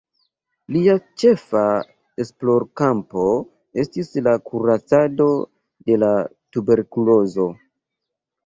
Lia ĉefa esplorkampo estis la kuracado de la tuberkulozo.